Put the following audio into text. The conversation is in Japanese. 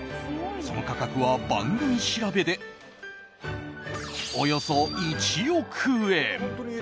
その価格は番組調べでおよそ１億円。